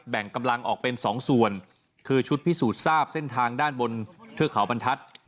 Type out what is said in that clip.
แบ่งกำลังออกเป็นสองส่วนคือชุดพิสูจน์ทราบเส้นทางด้านบนเทือกเขาบรรทัศน์